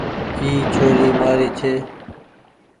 اي ڇوري مآري ڇي۔